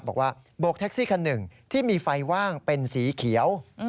บอกว่าโบกแท็กซี่คันหนึ่งที่มีไฟว่างเป็นสีเขียว